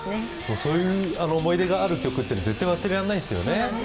そういう思い出がある曲って絶対忘れないですもんね。